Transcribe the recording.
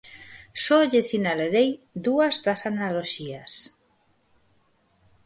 Só lles sinalarei dúas das analoxías.